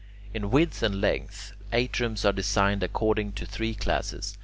In width and length, atriums are designed according to three classes.